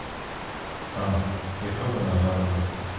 Ах, яка вона гарна!